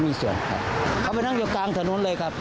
มีส่วนครับเขาไปนั่งอยู่กลางถนนเลยครับ